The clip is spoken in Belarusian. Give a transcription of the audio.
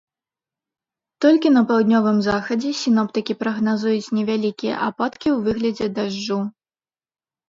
Толькі на паўднёвым захадзе сіноптыкі прагназуюць невялікія ападкі ў выглядзе дажджу.